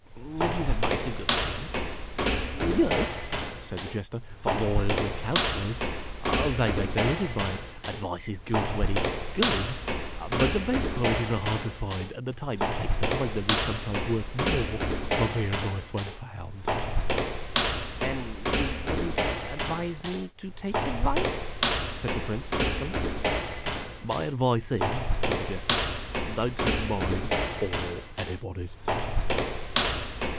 " Is n't advice a good thing? "" Yes," said the Jester, "for lawyers and councilors. They make their living by it. Advice is good when it 's good ; but the best qualities are hard to find, and the time it takes to find them is some times worth more than the advice when found." " Then you would n't advise me to take advice ?" said the Prince, thoughtfully. " My advice is," said the Jester, "don't take mine, or anybody's."